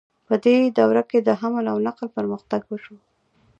په دې دوره کې د حمل او نقل پرمختګ وشو.